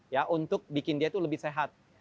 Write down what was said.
ya untuk bikin dia tuh lebih sehat